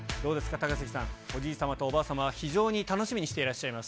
高杉さん、おじい様とおばあ様は非常に楽しみにしていらっしゃいます。